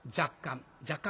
若干。